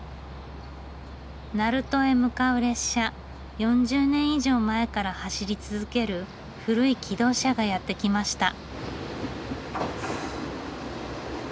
鳴門へ向かう列車４０年以上前から走り続ける古い気動車がやって来ました。